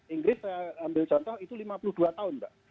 inggris saya ambil contoh itu lima puluh dua tahun mbak